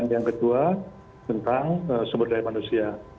yang kedua tentang sumber daya manusia